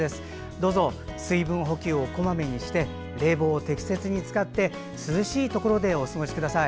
どうぞ水分補給をこまめにして冷房を適切に使って涼しいところでお過ごしください。